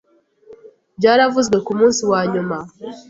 Byaravuzwe ku munsi wa nyuma